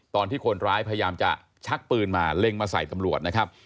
ตอนที่คนร้ายพยายามจะชักปืนมาเล็งมาใส่ตำรวจนะครับ